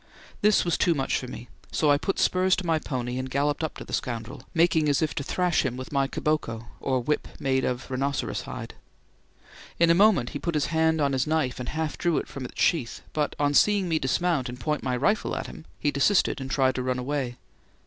This was too much for me, so I put spurs to my pony and galloped up to the scoundrel, making as if to thrash him with my kiboko, or whip made of rhinoceros hide. In a moment he put his hand on his knife and half drew it from its sheath, but on seeing me dismount and point my rifle at him, he desisted and tried to run away.